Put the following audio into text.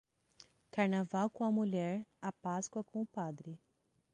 Carnaval com a mulher, a Páscoa com o padre.